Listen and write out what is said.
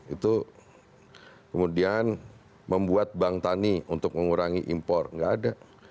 itu kemudian membuat bank tani untuk mengurangi impor nggak ada